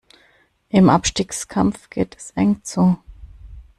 Im Abstiegskampf geht es eng zu.